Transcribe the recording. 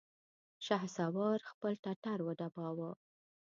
شهسوار خپل ټټر وډباوه!